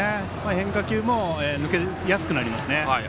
変化球も抜けやすくなりますね。